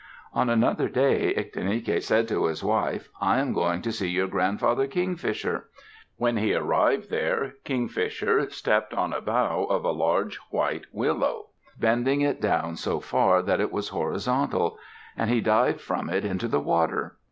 On another day, Ictinike said to his wife, "I am going to see your grandfather, Kingfisher." When he arrived there, Kingfisher stepped on a bough of a large white willow, bending it down so far that it was horizontal; and he dived from it into the water.